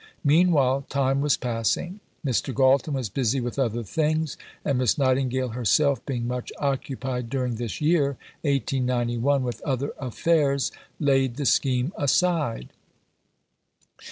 Meanwhile time was passing; Mr. Galton was busy with other things, and Miss Nightingale herself, being much occupied during this year (1891) with other affairs, laid the scheme aside.